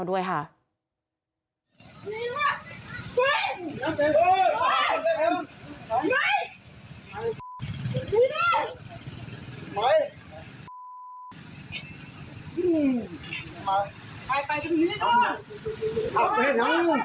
เอาไปห้องมัน